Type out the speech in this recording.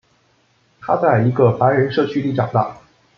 他在一个白人社区里长大。